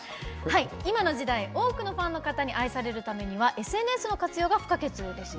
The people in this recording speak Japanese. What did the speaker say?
今の時代多くのファンの方に愛されるためにはＳＮＳの活用が不可欠ですよね。